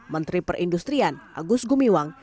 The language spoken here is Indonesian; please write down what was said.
menteri perindustrian agus gumiwang